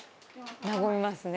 和みますね。